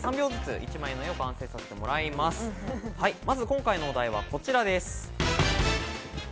今回の絵のお題はこちらです。